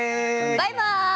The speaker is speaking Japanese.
バイバイ！